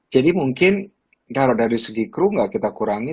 jadi mungkin kalau dari segi crew gak kita kurangi